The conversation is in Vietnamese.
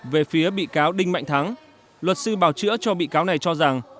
về phía bị cáo đinh mạnh thắng luật sư bảo chữa cho bị cáo này cho rằng